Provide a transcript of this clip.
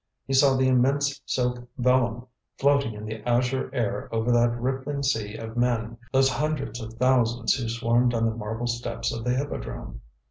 He saw the immense silk velum floating in the azure air over that rippling sea of men, those hundreds of thousands who swarmed on the marble steps of the Hippodrome.